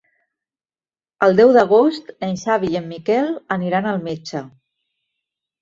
El deu d'agost en Xavi i en Miquel aniran al metge.